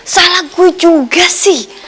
salah gue juga sih